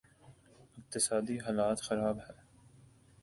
اقتصادی حالت خراب ہے۔